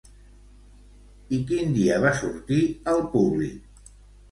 I quin dia va sortir al públic?